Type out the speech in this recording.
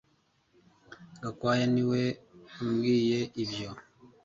Gakwaya niwe wambwiye ibyo